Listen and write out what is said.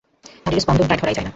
নাড়ির স্পন্দন প্রায় ধরাই যায় না।